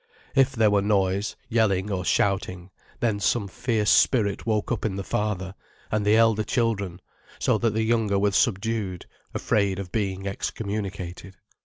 If there were noise, yelling or shouting, then some fierce spirit woke up in the father and the elder children, so that the younger were subdued, afraid of being excommunicated.